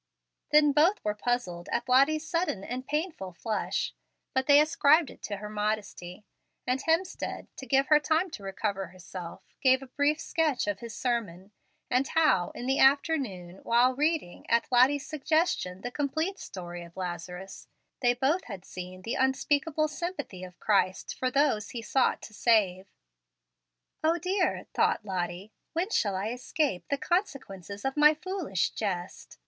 '" Then both were puzzled at Lottie's sudden and painful flush, but they ascribed it to her modesty; and Hemstead, to give her time to recover herself, gave a brief sketch of his sermon, and how, in the afternoon, while reading, at Lottie's suggestion, the complete story of Lazarus, they both had seen the unspeakable sympathy of Christ for those He sought to save. "O dear!" thought Lottie, "when shall I escape the consequences of my foolish jest?